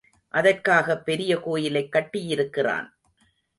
அதற்காக பெரிய கோயிலைக் கட்டியிருக்கிறான்.